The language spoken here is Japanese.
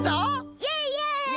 イエイイエイ！